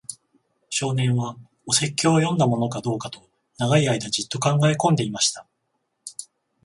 少年は、お説教を読んだものかどうかと、長い間じっと考えこんでいました。